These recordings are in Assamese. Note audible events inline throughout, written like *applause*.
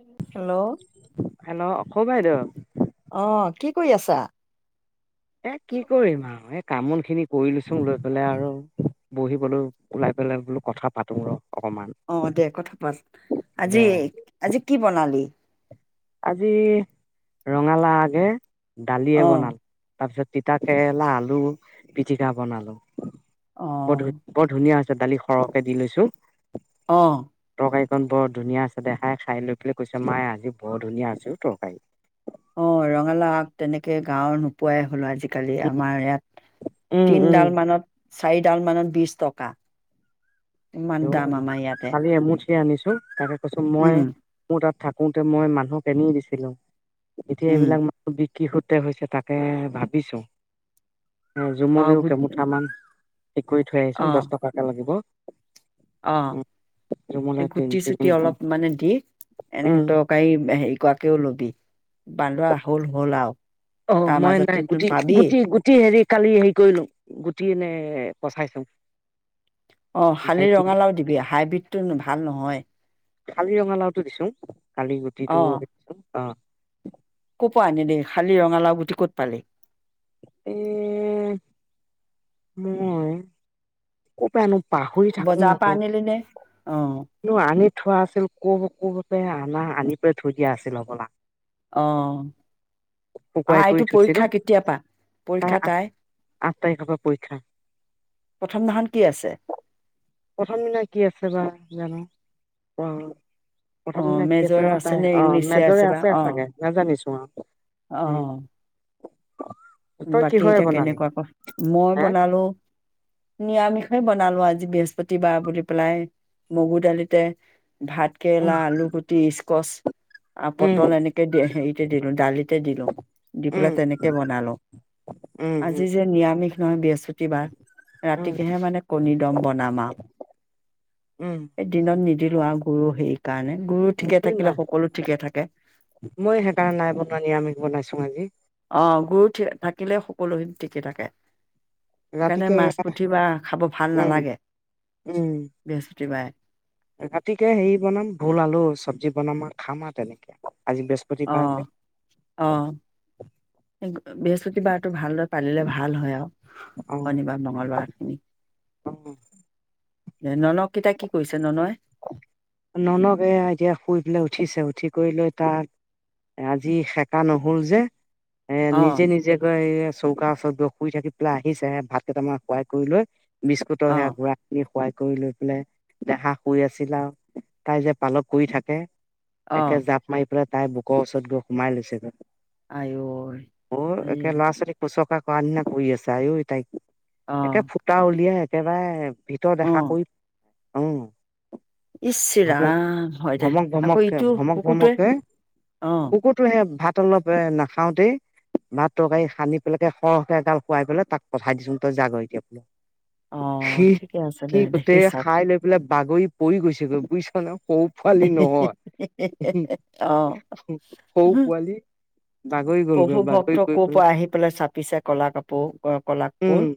উম। হেল্ল' হেল্ল' অ' বাইদেউ অ', কি কৰি আছা? এ কি কৰিম আৰু এ কামন খি সেইখিনি কৰি লৈছোং, লৈ পেলাই আৰু বহিবলৈ ওলাই পেলাই বোলো কথা পাটোঙ ৰ'। অকমান অ', দে কথা পাত, আজি, দে আজি কি বনালি? আজি ৰঙালাও আগে দালিয়ে অ বনাম। তাৰ পিছত তিতা কেৰেলা, আলু পিটিকা বনালো। অ বৰ ধু, বৰ ধুনীয়া হৈছে। তাত দালি সৰহকে দি লৈছো। অঃ। তৰকাৰীকন বৰ ধুনীয়া হৈছে।, দেহাই খাই লৈ পেলে কৈছে মায়ে আজি বৰ ধুনীয়া আছে ও তৰকাৰী। অ ৰঙালাও আগ তেনেকে গাঁওৰ নোপোৱাই হ'লো আজি কালি আমাৰ ইয়াত উম উম তিনডাল মানত চাৰিডাল মানত বিশ টকা। ইমান দাম আমাৰ ইয়াতে। কালি এমুঠি আনিছো তাকে মই উম মোৰ তাত থাক থাকোতে মই মানুহক এনেয়ে দিছিলো। এতিয়া উম এইবিলাক *unintelligible* কি সূত্ৰে হৈছে তাকেহে ভাবিছোঁ। অ জুমলিও গু কে মুুঠামান কৰি থৈ আহিছো অ দহ টকাকে লাগিব। উ অ' জুমলৈ তিনি গুটি চুটি তিনিমুঠা অলপ মানে দি এনেকে উম তৰকাৰী হেৰি কৰাকেও লবি। বান্দৰ আহিল হ'ল আৰু অ তাৰ মই মাজতে নাই তোন গুটি, পাবি গুটি, গুটি হেৰি কালি হেৰি কৰিলো গুটি এনে পচাই চো। অ' শালি ৰঙালাও দিবি হাইব্ৰীড তো ভাল নহ হয়। শালি ৰঙালাওটো দিছো। খালি গুটিটো অ', অ' *inaudible* *unintelligible* কৰ পৰা আনিলি শালী ৰঙালাও গুটি ক'ত পালি? এ মই ক'ৰপৰা আনো পাহৰি থাকো বজাৰৰ পৰা নহয়। আনিলি নে অ', কিন্তু আনি থোৱা আছিল। ক ক বাপে আনা আনি পেলাই থৈ দিয়া আছিল হবলা? অহ। শুকুৱাই অ', কৰি এইটো থৈছিলো পৰীক্ষা কেতিয়া পা? পৰীক্ষা তাই আঠ তাৰিখৰ পা পৰীক্ষা। প্ৰথম দিনাখন কি আছে প্ৰথম দিনা কি আছে বা, জানো? *unintelligible* প্ৰথম অ', দিনা কি মেজৰ আছে তাই নে অহ, ইংলিছে মেজৰে বা আছে অ', চাগে নাজানিছো আৰু, উম। তই বাকি কিহৰে এতিয়া বনালি কেনেকুৱা ক'? মই হা বনালোঁ। নিৰামিষেই বনালো আজি বৃহস্পতিবাৰ বুলি পেলাই মগু দালিতে ভাত কেৰেলা, উম আলু গুটি, স্কোচ আৰু উম পটল এনেকে হেৰিতে দিলো দালিতে দিলো, দি পেলাই উম তেনেকে বনালো। উম উম আজি যে নিৰামিষ মিষ নহয় বিয়েচ প্ৰতিবাৰ উম ৰাতিকেহে মানে কণী দম বনাম আৰু। উম এই দিনত নিদিলো আৰু গুৰু সেই কাৰণে গুৰু ঠিকে ময়ো থাকিলে নাই, সকলো ঠিকে থাকে মই সেইকাৰণে নাই বনোৱা নিৰামিষ বনাইছো আজি। অ গুৰু ঠি থাকিলে সকলো ঠিকে থাকে। সেইকাৰণে ৰাতিকে মাছ এয়া, পুঠি বা খাব ভাল উম নালাগে উম বৃহস্পতিবাৰে ৰাতিকে হেৰি বনাম ভোল আলু চব্জি বনাম আৰু খাম আৰ তেনেকে। আজি অ, বৃহস্পতিবাৰ যে অ বৃহস্পতিবাৰটো ভালদৰে পালিলে ভাল হয় আৰু। অ শনিবাৰ, মংগলবাৰ খিনি অ এ ননকিতাই কি কৰিছে, ননয়? ননক এয়া এতিয়া শুই পেলাই উঠিছে, উঠি কৰি লৈ তাক আজি সেকা নহল যে। এ অ নিজে নিজে কৈ চৌকা ওচৰত গৈ শুই থাকি পেলাই আহিছে, ভাত কেইটামানে শুৱাই কৰি লৈ বিস্কুটৰ অ সেয়া গুৰাখিনি খুৱাই কৰি লৈ পেলাই দেহা শুই আছিল আৰু তাই যে পালক কৰি থাকে, অ একে জাপ মাৰি মানে, তাইৰ বুকৰ ওচৰত গৈ সোমাই লৈছে গৈ। আঐ অ', একে ল'ৰা ছোৱালী কুচোকা *unintelligible* কৰি আছা আইয়ৈ তাইক। অ একে ফুটা উলিয়াই কেবাৰে ভিতৰত অ দেখা কৰি উম। ইচ ৰাম হয় দে ভমক আকৌ ভমককে ইটো ভমক কুকুৰটোৱে, ভমককে অ'। কুকুৰটো সেই ভাত অলপ এ নাখাওতেই ভাত তৰকাৰী সানি পেলাই কে সৰহকে এগাল খুৱাই পেলাই তাক পঠাই দিছো তই যাগৈ এতিয়া বোলো। অ', সি ঠিকে আছে দে সি দেখি গোটেই চাবি খাই লৈ পেলাই বাগৰি পৰি গৈছে গৈ বুজিছো ন? সৰু পোৱালি নহয়। অ', উহুম সৰু পোৱালি বাগৰি গ'লগৈ প্ৰভু ভক্ত বাগৰি গৈ ক'ৰ পৰা আহি পেলাই চাপিছে। কলা কাপোৰ কলা কাপোৰ, উম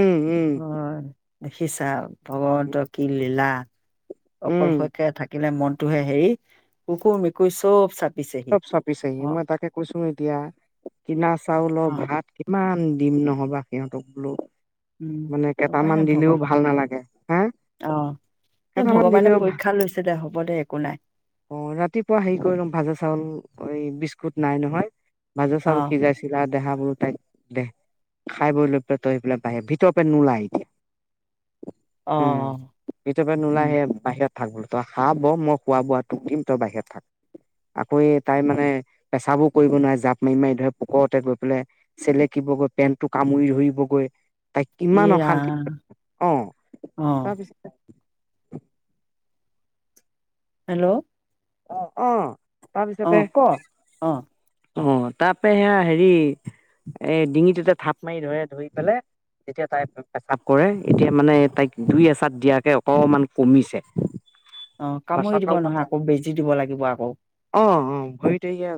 উম উম অ' দেখিছা। ভগৱন্তৰ কি লীলা? উম অকলশৰে থাকিলে মন যিটো হে হেৰি কুকুৰ, মেকুৰী চব চা চব চাপিছেহি, মই তাকে কৈছো এতিয়া কিনা চাউলৰ অ', ভাত কিমান দিম নহ'বা সিহঁতক বোলো? উম, মানে উপায় কেইটামান নাই দিলেও ভগৱ ভাল নালাগে, হা, অ', এই কেইটামান ভগৱানে দিলেও ভা, পৰীক্ষা লৈছে দে হ'ব দে একো নাই অ ৰাতিপুৱা হেৰি কৰি ল'ম ভাজা উ এই, বিস্কুট নাই নহয়। ভাজা চাউল অ', সিজাইছিলা দেহাবোৰ তাইক দে, খাই বৈ লৈ পেলাই তই *unintelligible* ভিতৰৰ পৰা নোলাই এতিয়া। উম। অ', ভিতৰৰ পৰা নোলাই উম, সেইয়া বাহিৰত থাক বুলো, তই খাব ব মই খোৱা বোৱা তোক দিম, তই বাহিৰত থাক। আকৌ এই তাই মানে, পেচাবো কৰিব নোৱাৰে, জাঁপ মাৰি মাৰি ধৰে, পোকৰতে গৈ পেলাই চেলেকিবগৈ, পেণ্টটো কামুৰি ধৰিবগৈ। তাইক ই কিমান অশান্তি, ৰাম অহ অ', তাৰ পিছতে হেল্ল'। অ'। অহ। অহ ক, ' অহ। অ', তাৰপা সেয়া হেৰি, এই ডিঙিটোতে থাপ মাৰি ধৰে, ধৰি পেলাই তেতিয়া তাই পেচাব কৰে, এতিয়া মানে তাইক দুই এচাত দিয়াকে অকমান কমিছে। অ' কামুৰি দিব নহয় অ আকৌ, বেজি দিব লাগিব আকৌ। অ ভৰিত এইয়া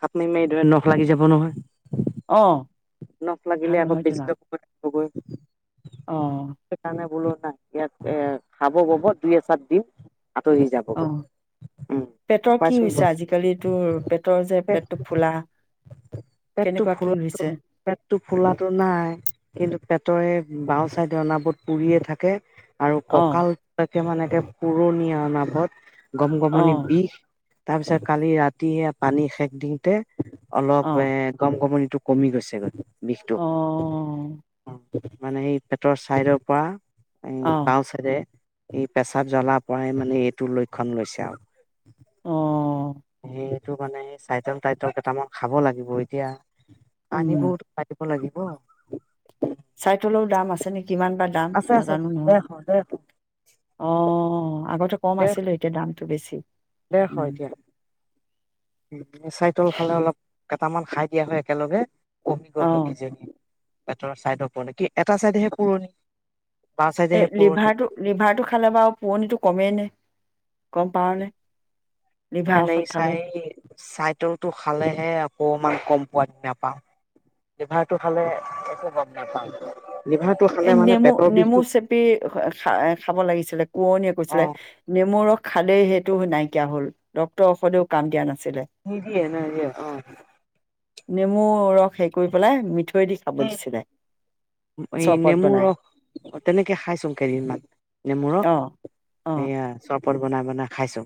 খাপ মাৰি মাৰি ধৰে, নখ লাগি যাব নহয়। অ নখ লাগিলে ভাল আকৌ নহয় তো বেজি না লব লগে খবৈ। অ সেই কানে বুলো ইয়াত এ, খাব বব, দুই-এচাত দিম। আঁতৰি যাবগৈ অ', উম পেটৰ কি খোৱাইচোন হৈছে খোৱাই আজিকালিটোৰ পেটৰ যে পেট পেটটো ফুলা, কেনেকুৱা কি হৈছে? টো ফুলাটো নাই, কিন পেটৰ এই বাও চাইদ অনাবত পুৰিয়ে থাকে। আৰু অ ককাল *unintelligible* পুৰণীয়া নাভত অ গম-গমনি বিষ। তাৰ পিছত কালি ৰাতি এইয়া পানী সেক দিওতে অলপ অ এ, গম-গমনি টো কমি গৈছে। সেইকাৰণে বিষটো। অ মানে সেই পেটৰ চাইডৰ পৰা। অ এই বাওঁ চাইডে এই পেছাব জ্বলা-পৰাই মানে এইটো লক্ষণ লৈছে আৰু অহ'। সেইটো মানে চাইটন-কাঁইটল কেইটামান খাব লাগিব এতিয়া। উম লাগিবই অ' লাগিব। চাইতোল'ৰ দাম আছে নেকি? কিমান বা দাম আছে আছে নাজানোঁ নহয়। ডেৰশ ডেৰশ অ' আগতে কম ডেৰ আছিলে, এতিয়া দামটো বেছি। উম। ডেৰশ এতিয়া। চাই তল খালে অলপ। কেটামান খাই দিয়া হয় একেলগে। কমি গ'ল অ হয় কিজানি। পেটৰ ছাইডৰ পুৰণি, কি এটা ছাইডেহে পুৰণি? বাওঁ এই চাইডেহে পুৰণি লিভাৰটো লিভাৰটো খালে বাৰু পোৰণিটো কমেই নে? গম পাৱনে লিভাৰ নাই নাই ঔষধ খালে চাই চাই তলটো খালেহে অকমান গম পোৱা? নাপাও, লিভাৰটো খালে একো গম নাপাও। এ নেমু নেমু চেপি খা খাব লাগিছিলে, *unintelligible* অ কৈছিলে। নেমুৰ ৰস খালে সেইটো নাইকীয় হ'ল। ডক্তৰ ঔষধেও কাম দিয়া না *unintelligible* নেমু ৰস হেৰি কৰি পেলাই মিঠা দৈ দি খাব দিছিলে। এই চৰবত নেমু বনাই ৰস তেনেকে খাইচুং কেইদিনমান। নেমু অ অ ৰস এইয়া চ কাপত বনাই বনাই খাইছোঁ।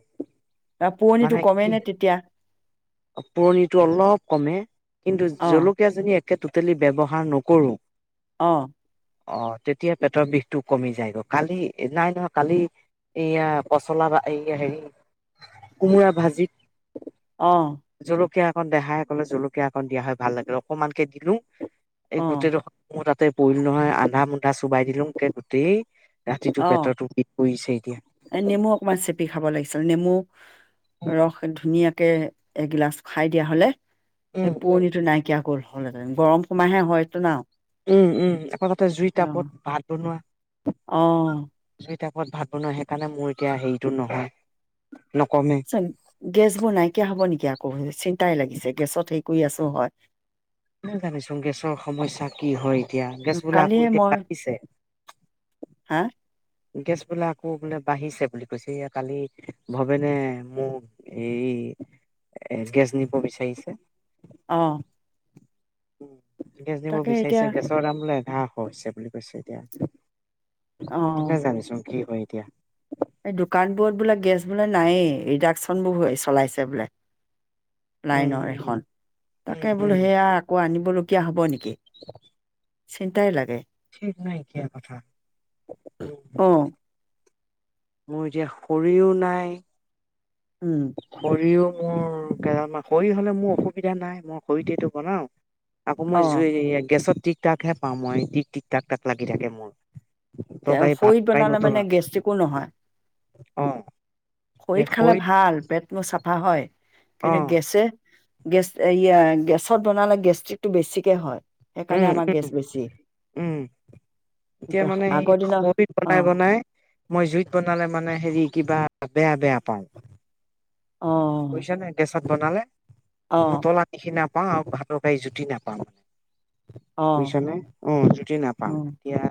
আৰু পুৰণিটো মানে কমেই কি? নে তেতিয়া পোৰণিটো অলপ কমে কিন্তু অ জলকীয়াজনী টোটেলি ব্যৱহাৰ নকৰোঁ। অহ। অহ। তেতিয়া পেটৰ বিষটো কমি যায় গৈ। কালি, নাই নহয় কালি, এয়া পচলা বা এই হেৰি কোমোৰা অ ভাজিত জলকীয়া। দেহাই ক'লে জলকীয়া অকন দিয়া হয় ভাল লাগে, অকনমানকে দিলোঁ। এই অ গোটেইটো মোৰ তাতে পৰিল নহয়, আন্ধাৰ মুন্ধাৰ চোবাই দিলোঙকে গোটেই ৰাতিটো পেটৰটো বিষ পৰিছেই। এ নেমু অকমান চেপি খাব লাগিছিল, নেমু। উম, ৰস ধুনীয়া। তাকে এগিলাচ খাই দিয়া হ'লে এই উম। পুৰনিটো নাইকিয়া গ'ল। হল হেতেন গৰম সোমাহে হয় এইটো ন? উম উম আকৌ তাতে জুই টাপত ভাত বনোৱা। অ'। জুই তাপত ভাত বনোৱা সেইকাৰণে মোৰ এতিয়া হেৰিটো নহয়। নকমে। চোন গেছবোৰ নাইকিয়া হব নেকি আকৌ চিন্তাইয়ে লাগিছে গেছত হেৰি কৰি আছে *unintelligible* হয়। মইয়ো জানিছোঙ গেছৰ সমস্যা কি হয় এতিয়া গেছবোলে কালিয়ে আকৌ এতিয়া মই কাতিছে। হা? গেছ বিলাক আকৌ বোলে বাঢ়িছে বুলি কৈছে এইয়া কালি ভৱেনে মোক এই এ গেছ নিব বিচাৰিছে। অ'। উম। গেছ নিব তাকে এতিয়া বিচাৰিছে গেছৰ দাম বোলে *unintelligible* হৈছে বুলি কৈছে অ এতিয়া। *inaudible* জানিছো কি হয় এতিয়া এই দোকানবোৰত বোলে গেছ বোলে নায়েই ইডাকচন চলাইছে বোলে। উম লাইনৰ উম এখন উম তাকে বোলো উম সেয়া আকৌ আনিবলৈ অআ *unintelligible* একে *inaudible* চিন্তাই লাগে ঠিক নাই এতিয়াৰ অ কথা মোৰ এতিয়া খৰিও নাই উম খৰিও মোৰ *unintelligible* খৰি হ'লে মোৰ অসুবিধা নাই মই খৰিতে এইটো বনাও আকৌ অ মই জুই গেছত টিক টাকহে পাওঁ মই টিক টিক টাক তাক লাগি থাকে মোৰ তেও তৰকাৰী ভাত খৰিদ বনালে মানে গেষ্ট্ৰিকো নহয়। অহ'। খৰিত খালে ভাল, পেট তোৰ চাফ আহ হয়। অ কেনে গেছে গেছ এইয়া, গেছত বনালে গেষ্ট্ৰিকটো বেছিকে হয়। উম সেইকাৰণে উম আমাৰ গেছ বেছি। উম এতিয়া মানে হে আগৰ দিনৰ খৰিত বনাই অ', বনাই, মই জুইত বনালে মানে হেৰি কিবা বেয়া বেয়া পাওঁ। অ'। ভাত বনালে? অ', নুতলা নিখিনা পাওঁ, ভাততো খাই জুতি নাপাওঁ মানে। অ', বুইছনে উম, জুতি নাপাওঁ, উম, কিয়া?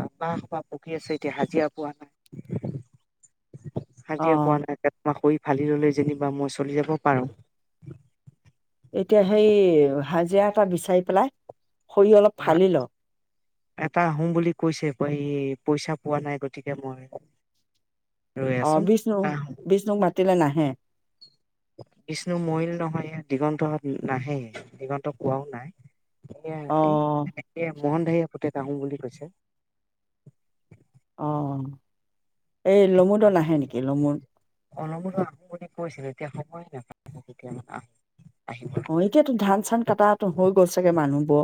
আগ বাঁহ পা পকী আছে এতিয়া হাজিৰা পোৱা নাই। হাজিৰা পোৱা অ', নাই *unintelligible* হালি ললেই যেনিবা মই চলি যাব পাৰোঁ। এতিয়া হেই, হাজিৰা এটা বিচাৰি পেলাই খৰি অলপ ফালি ল'। এটা আহোং বুলি কৈছে, কৈ পইচা পোৱা নাই, গতিকে মই ৰৈ আছো অ' বিষ্ণু, আহ বিষ্ণুক মাতিলে নাহে। বিষ্ণু মৰিল নহয়, এয়া দিগন্ত হত নাহেই, দিগন্তক কোৱাও নাই। এয়া, এই অ', *unintelligible* মোহন ভাইয়া পুতেক আহো বুলি কৈছে। অ' এই লমুদৰ নেকি? লমুদ অলবল আহো বুলি কৈছিল, এতিয়া সময় নাপায় *unintelligible* অহ, এতিয়াতো ধান-চান কাটা তো হৈ গ'ল চাগে মানুহবো।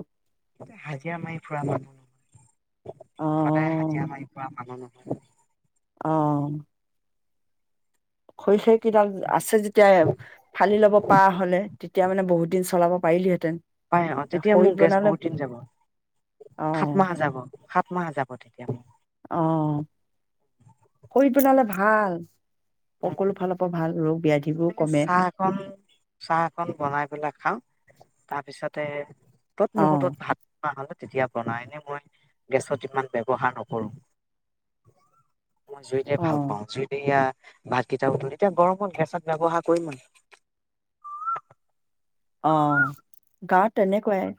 হাজিৰা মাৰি ফুৰা মানুহ নহয়, সদায় হাজিৰা অ', মাৰি ফুৰা মানুহ ন। *unintelligible* অহ। খৰি চৰি কেইদাল আছে যেতিয়া, এ ফালি ল'ব পৰা হ'লে, তেতিয়া মানে বহুত দিন ছ চলাব পাইলি হেত পাই অ, তেতিয়া মো গেছ বহুত দিন যাব, সাত মাহ যাব, সাত মাহ যাবতে অহ, কৰি পেলালে? ভাল। সকলো ফালৰ পৰা ভাল। ৰৌ পিয়াজ চাহকন চাহকন বনাই পেলাই খাওঁ। তাৰ পিছতে তৎ অ মুহূৰ্তত ভাত *unintelligible* তেতিয়া বনাই এনে মই গেছত ইমান ব্যৱহাৰ নকৰো *inaudible* মই জুইতেই অ ভাল পাওঁ, জুইত এয়া। ভাতকেইটা *unintelligible* এতিয়া গৰমত গেছত ব্যৱহাৰ কৰিম মই। অহ, গাঁৱত তেনেকুৱাই।